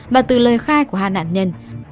và từ lời khai của hai nạn nhân